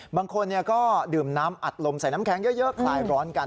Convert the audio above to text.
บางคนก็ดื่มน้ำอัดลมใส่น้ำแข็งเยอะคลายร้อนกัน